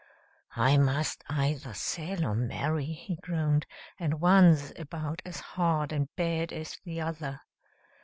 "I must either sell or marry," he groaned, "and one's about as hard and bad as the other.